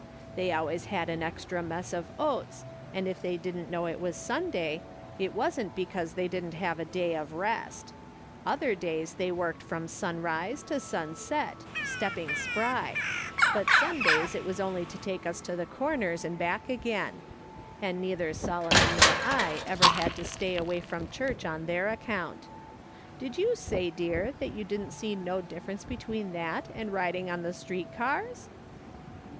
They always had an extra mess of oats, and if they didn't know it was Sunday, it wasn't because they didn't have a day of rest; other days they worked from sunrise to sunset, stepping spry, but Sundays it was only to take us to the Corners and back again ; and neither Solomon nor I ever had to stay away from church on their account. Did you say, dear, that you didn't see no difference between that and riding on the street cars